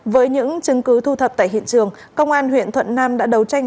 với những chứng cứ thu thập tại hiện trường công an huyện thuận nam đã đấu tranh